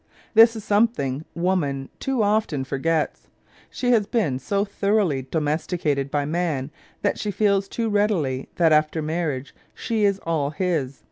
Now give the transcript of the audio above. This is something woman too often forgets. She has been so thoroughly " domesticated " by man that she feels too readily that after marriage she is all his.